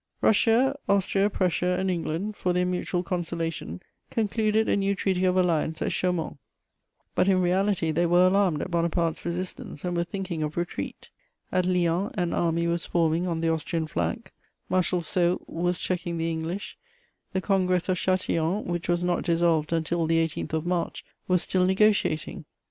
Russia, Austria, Prussia and England, for their mutual consolation, concluded a new treaty of alliance at Chaumont; but in reality they were alarmed at Bonaparte's resistance and were thinking of retreat. At Lyons an army was forming on the Austrian flank; Marshal Soult was checking the English; the Congress of Châtillon, which was not dissolved until the 18th of March, was still negociating.